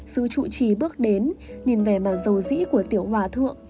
sư trụ trì bước đến nhìn về màn dầu dĩ của tiểu hòa thượng